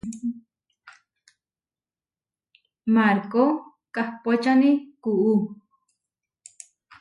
Markó kahpóčani kuú.